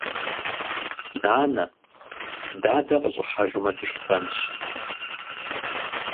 Нанэ, дадэ къыщӀыхьэжмэ дышхэнщ.